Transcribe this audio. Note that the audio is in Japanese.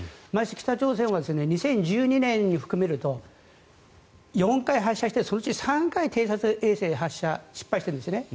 北朝鮮は２０１２年含めると４回発射してそのうち３回偵察衛星発射失敗してるんですよね。